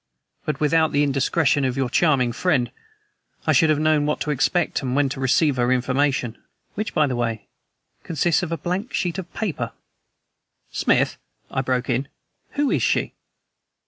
But without the indiscretion of your charming friend, I should have known what to expect when I receive her 'information' which by the way, consists of a blank sheet of paper." "Smith," I broke in, "who is she?"